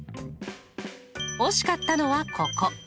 惜しかったのはここ。